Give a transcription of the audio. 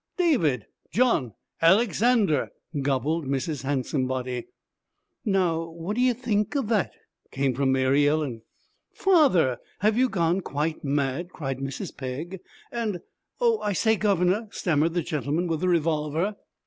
'David! John! Alexander!' gobbled Mrs. Handsomebody. 'Now what d'ye think of that!' came from Mary Ellen. 'Father! Have you gone quite mad?' cried Mrs. Pegg. And 'Oh, I say, governor,' stammered the gentleman with the revolver.